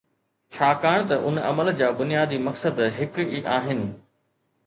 ڇاڪاڻ ته ان عمل جا بنيادي مقصد هڪ ئي آهن.